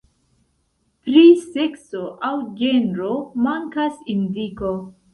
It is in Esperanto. Pri sekso aŭ genro mankas indiko.